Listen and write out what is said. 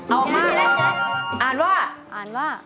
ออกมาอ่านว่าอ่านว่า